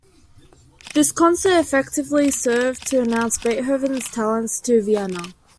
This concert effectively served to announce Beethoven's talents to Vienna.